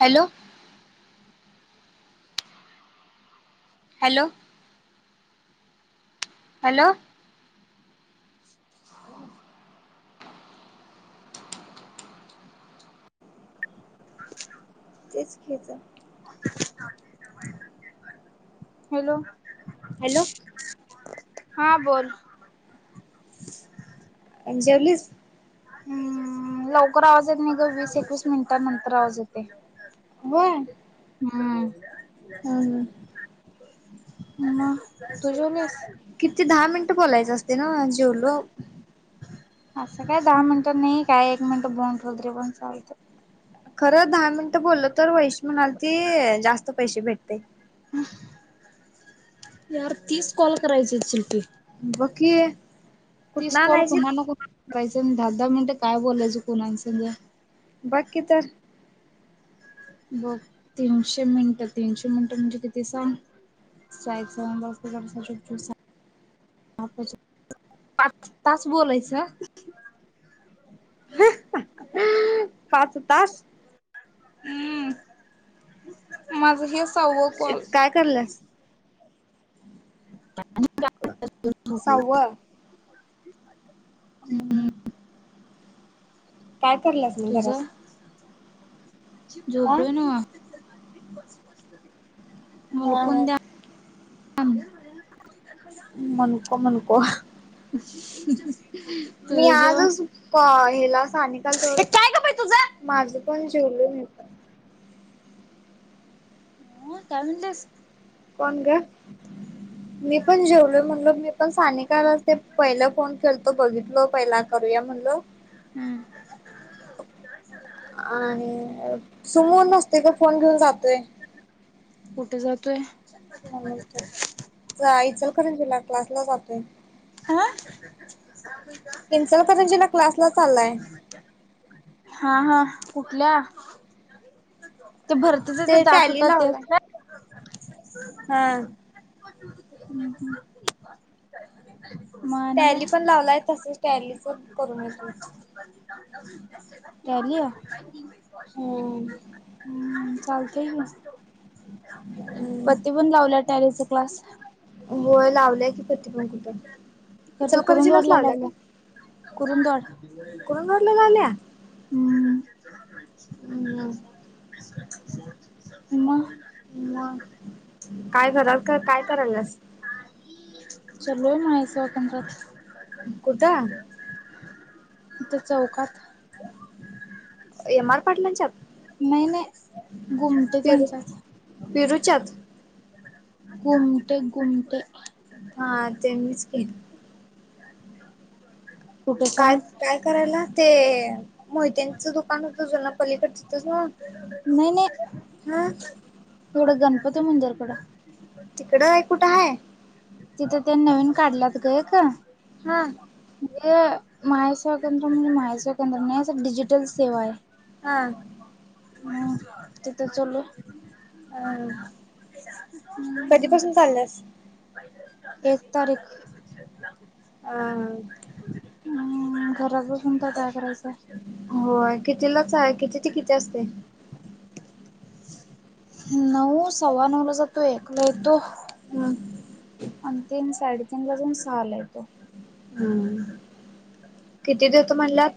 Hello hello hello [inaudible] तेच ख्याच hello hello हा बोल जेवलीस हम्म लवकर आवाज येत नाही ग वीस एकवीस मिनिटां नंतर आवाज येते होय हम्म हम्म ह तू जेवलीस किती दहा मिनिटं बोलायच असते ना जेवलो असं काय दहा मिनिट नाही काय एक मिनिट बों ठलत रे पण चालते खरं दहा मिनिटं बोलल तर वहिश म्हणाल की जास्त पैसे भेटते यार तीच कॉल करायची चल्टी बाघ की ती स्पॉल कुणान कुणा करायच दहा दहा मिनटे काय बोलायच कुणा सध्या बाकी तर बघ तीनशे मिनिटं तीनशे मिनिटं म्हणजे किती सांग स्ट्राईक सू पा तास बोलायच पाच तास हम्म माझ हेच काय करलंस सहाव हम्म काय करलंस मी घरात आ झोपो नव्ह हा ह मुलकून द्या आम्ह मुणको मुणको [inaudible] मी तुझं आज जेवण ते काय ग बाई तुझं कोण जेवलो हा काय म्हणतेस कोण गं मी पण जेवलो म्हणलोमी पण सानिकाला ते पहिला फोन केलतो बघितल पहिला करूया म्हणलो हम्म आहे सुमू नसतोय गं फोन घेऊन जातोय कुठे जातोय यचल त्या इंचलकरज क्लास ला जातोय इचलकरंजीला क्लासला चाललाय आा [inaudible] ते टॅली लावलाय तेब हा [inaudible] टॅली पण लावलाय तसच टॅली टॅली हम हम्म चालतंय की पती पण लावल्या टॅरीचा क्लास होय लावल्या की प्रती पण कुठं घरचे कुरुंदवाड इचलकरंजीलाच लागल्या कुरुंदवाड कुरुंदवाड लावल्या हम ह मग मग काय घरात काय कराल्यास चाललय महेश काकांच्यात कुठ इथे चौकात इथं एम आर पाटलांच्यात नाही नाही घुमते त्यांच्यात चात घुमते घुमते हा ते मीच की [inaudible] काय सांग काय करायला ते मोहित्यांचं दुकान होत जुन पलीकड तिथेच नव्ह हम तिकडं गणपती मंदिरकडं तिकड हाय कुठं हाय तिथे ते नवीन काढल्यात ग एक हा म्हणे माहे स्वकंद्रम महावीर सेवा केंद्र नाही अस डिजिटल सेवा आहे हा हम् तिथे चाललोय हम कधीपासून झाल्यास एक तारीख आ घरात बसून तर काय करायचंय होय कितीलाच आहे किती ते किती असते नऊ सव्वा नऊ ला जातोय एकला येतो ह आणि तीन साडेतीन जावून सहाला येतोय. हम् किती दितो म्हणल्यात?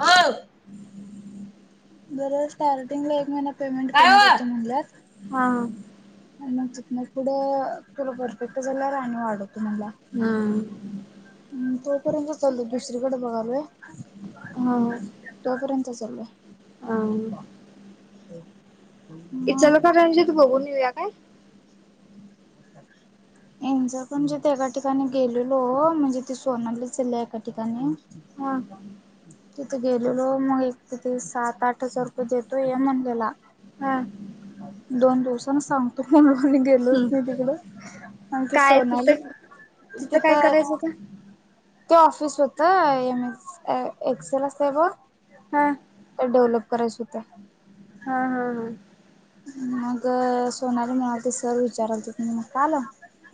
हा बर स्टार्टिंगला एक महिना पेमेंट कमी देतो म्हटल्यात हा म तिथंन पुढं तुला परफेक्ट झाल्यावर आणि वाढवतो हा म्हणला हा तोपर्यंत चाललोय दुसरीकडे बघाय लागलोय. तोपर्यंत च चाललोय ह् मग इचलकरंजी बघून येऊया काय? [unintelligible] [inaudible] एका ठिकाणी गेलेलो म्हणजे ती सोनाली चालीया एका ठिकाणी हा तिथे गेलेलो मग एक तिथे सात आठ आठ हजार रुपये देतो ये म्हणलेला हा दोन दिवसान सांगतो म मणी गेलोच नाही तिकडं आणि ती काय सोनाली तिथं काय तिथं करायचं होत ते ऑफिस होत एम ए एक्सेल असतंय बघ हा डेव्हलप करायच होते हा हा हा मग सोनाली म्हणालती सर विचारालती म्हणून काल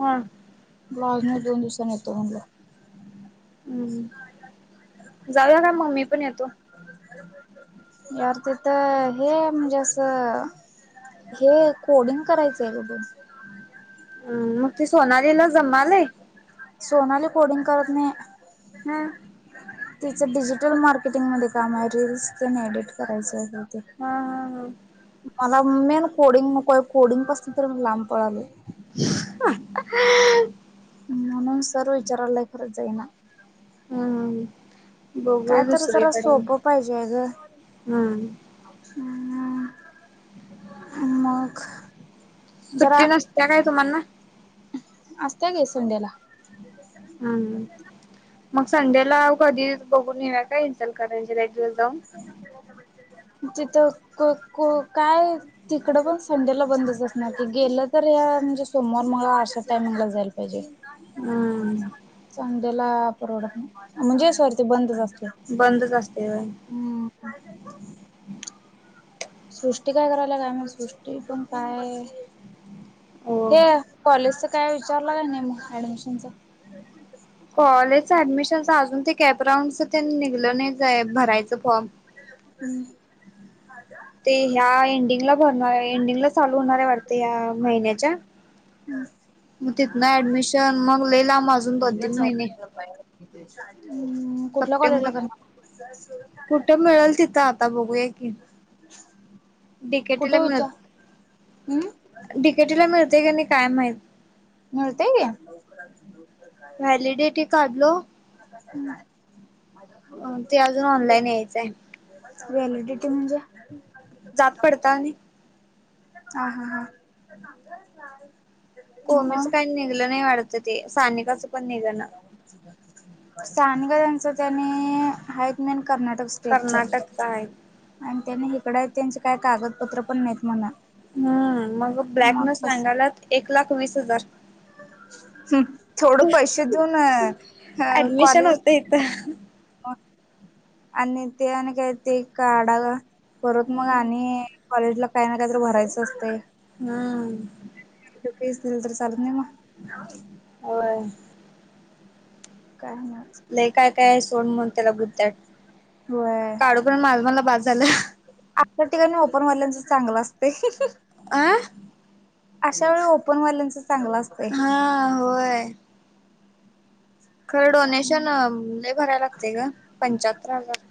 हा माझं मी दोन दिवसांनी येतो म्हणलं हम्म जाणार का म मी पण येतो? यार तीथं हे म्हणजे असं हे कोडिंग करायचंय गं बसू. हम् मग ते सोनलीला जमालेय? सोनाली कोडिंग करत नाही. हा हा तिचं डिजिटल मार्केटिंग मध्ये काम आहे रीलस तेण एडिट करायचं आहे. हा हा मला मेन कोडिंग नको आहे कोडिंग पासन तर मी लांब पळाले. ह्. म्हणून सर विचारायलाय खरं जाईना. हम हम. बघूया काय तर जरा दुसरीकडे सोपं पाहिजे हम्. ह्म मग सुट्टी नसतीया काय तुम्हाना असतीय कि संंडेला हम् मग संडेला कधीच बघून येऊया काय इचलकरंजी ला [unintelligible] तिथं कह कोण काय तिकडं पण संडेला बंदच असणार की गेलं तर काय म्हणजे सोमवार मंगळवार आशा ताईंना जायला पाहिजे. ह्आ. ल्याला परवडतो नाही म्हणजे सोड बंदच असतंय बंदच असतंय होय. हम्म. सृष्टी काय करालीया काय माहित सृष्टी पण काय? हो हे कॉलेजच काय विचारलं का नाही मग ऍडमिशनच कॉलेजच ऍडमिशनच अजून ते कॅपराऊंडच निघलं नाहीच आहे भरायचं फॉर्म ह. ते ह्या एंडिंगला भरणार एंडिंगला चालू होणार आहे वाटते या महिन्याच्या मग तिथ ना ऍडमिशन मग लय लाम अजून दोन तीन महिने कुठल्या कॉलेज ला करणा कुठे मिळेल तिथं आता बघूया. डि के टी ला कुठे मिळ. विचार हम्म डी के टी ला मिळतय का नाही काय माहित. मिळतय की ह. व्हॅलिडिटी काढलो अ ते अजून ऑनलाईन यायचंय. व्हॅलिडिटी म्हणजे जात पडताळणी हा हा हा. कोमीच काही निघलं नाही वाढत. सानी हा तेनी आहित मेन कर्नाटक स्टेट च. कर्नाटकचा आहे इकड त्यांचे काय कागदपत्र पण नाहीत म्हण हम्म मग ब्लॅकने सांगायलात एक लाख वीस हजार. हम्म. थोड पैसे देऊन ऍडमिशन कॉलेज होत इथं आणि ते आणि काय ते काडा परत मग आणि कॉलेजला काय ना काय तर भरायचं असतय. हम. त केस दिली तर चालत नाही म होय. काय नाही लय काय काय आहे सोड म्हून त्याला बुद्ध्याट होय. काढू पण माझ मला बास. झालं पण मल्यांचं चांगलं असतय आं अशा वेळी ओपनवाल्यांच चांगलं असतय हा होय खरं काय डोनेशन नाही. लय भरायला लागत ग पंचाहत्तर हजार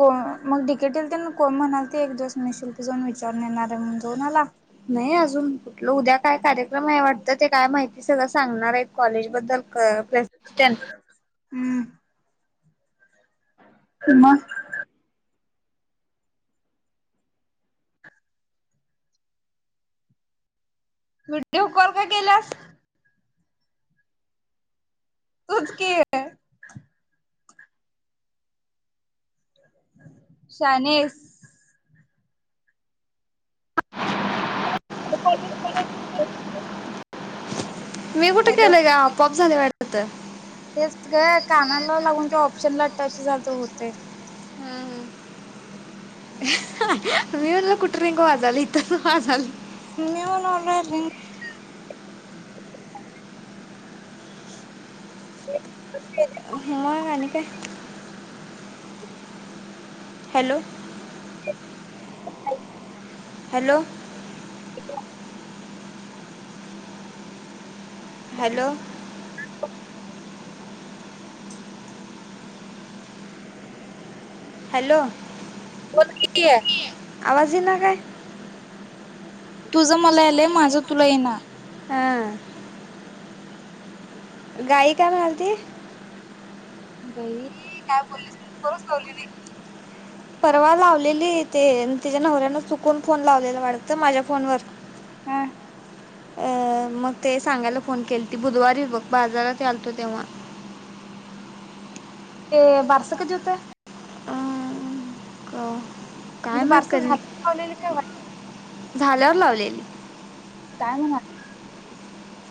को मग डी के टी तेन को म्हणालती एक दिवस मी शिल्पी जाऊन विचारून येणार आहे म्हणून जाऊनला नाही अजून कुठलं उद्या काय कार्यक्रम आहे वाटतं ते काय माहिती सगळं सांगणार आहे कॉलेजबद्दल प्रेसिस्टंट हम म विडिओ कॉल का केेल्यास तूच की शानी आहेस [unintelligible] मी कुठे हॅलो केलंय ग आपॉप झालय वाटत तेच ग कानाला लागून ते ऑप्शन ला टच जात होतय हम्म हम मी म्हंटल कुट वाजली इथ वाजाली मव नोडय [unintelligible] मग आणि काय हॅलो हॅलो हॅलो हॅलो होर क आहे आवाजी ना काय तुझं मला यालंय माझं तुला येणार हां गाई का म्हलती गई काय बोललीस खरच लावली नाही परवा लावलेली ते तच्या नवऱ्यान चुकून फोन लावलेला वाटतं माझ्या फोनवर हा अ मग ते सांगायला फोन केल ती बुधवारी बघ बाजारात आलतो तेव्हा ते बर्सक ज्यत अं, क- काय म्हणजे माहीत बारस कधी झालं पावलेली काय वा झाल्यावर लावलेली काय म्हणा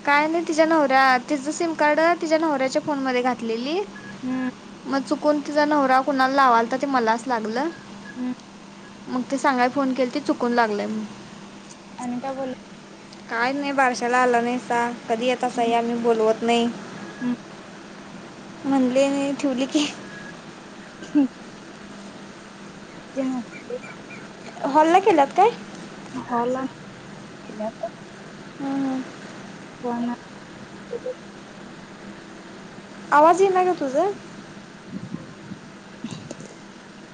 काय नाही तिच्या नवऱ्या तिचं सिम कार्ड तिच्या नवऱ्याच्या फोन म घाल हम्म मग चुकून तिचा नवरा कुणाला लावाल तर ते मलाच लागल हम् मग ते सांगायला फोन केले ते चुकून लागलय म आम् का बोल काय नाही बारशाला आल नाहीसा कधी येत अस हम्म या मी बोलवत नाही हम्म म्हणले आणि ठेवली की ह जन्हा हल्ला केलात काय झाला हम हम वा आवाज येणार का तुझं, [inaudible]